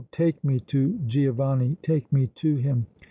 take me to Giovanni, take me to him!